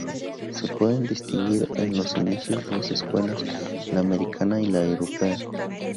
Se pueden distinguir en los inicios dos escuelas, la americana y la europea.